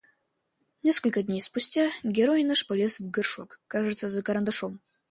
Несколько дней спустя герой наш полез в горшок, кажется, за карандашом.